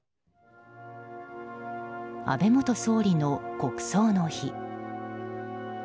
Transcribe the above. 安倍元総理の国葬の日。